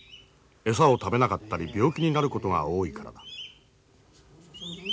餌を食べなかったり病気になることが多いからだ。